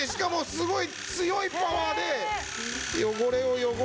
すごい。